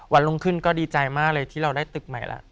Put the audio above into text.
รุ่งขึ้นก็ดีใจมากเลยที่เราได้ตึกใหม่แล้ว